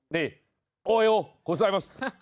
นี่โอเอโอขอบคุณครับ